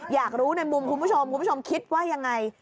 อยากรู้ในมุมคุณผู้ชมคุณผู้ชมคิดว่ายังไง